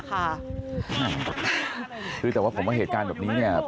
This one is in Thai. ก็รู้แต่ว่าผมว่าเหตุการณ์แบบนี้นี่